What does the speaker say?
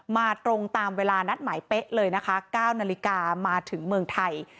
มาตรงตามเวลานัดหมายเป๊ะเลยนะคะ๙นาฬิกามาถึงเมืองไทย